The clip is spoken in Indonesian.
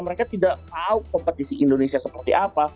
mereka tidak tahu kompetisi indonesia seperti apa